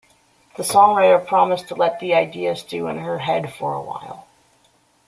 The songwriter promised to let the idea stew in her head for a while.